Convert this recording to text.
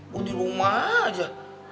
gue di rumah aja